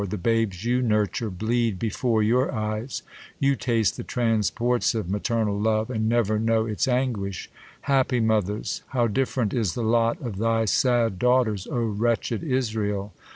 The babes you nurture, bleed before your eyes J You taste the transports of maternal love, And never know its anguish ! Happy mothers ! How different is the lot of thy sad daughters, O wTetched Israel